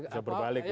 bisa berbalik ya